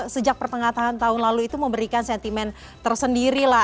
sejak pertengahan tahun lalu itu memberikan sentimen tersendiri lah